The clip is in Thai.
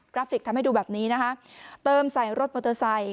ราฟิกทำให้ดูแบบนี้นะคะเติมใส่รถมอเตอร์ไซค